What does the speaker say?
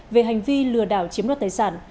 về hành vi lừa đảo chiếm đoạt tài sản